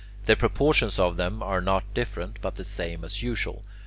The proportions of them are not different, but the same as usual.